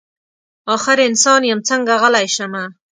اخر انسان یم څنګه غلی شمه.